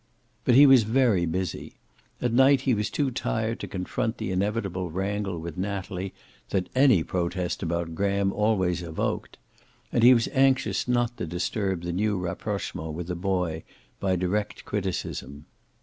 But he was very busy. At night he was too tired to confront the inevitable wrangle with Natalie that any protest about Graham always evoked, and he was anxious not to disturb the new rapprochement with the boy by direct criticism.